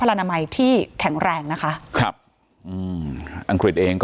สำนักพระราชวังบัคกิงแฮมระบุว่าตอนนี้สมเด็จพระราชนินาคลิซาเบสที่๒เมื่อ๑๒มีนาคม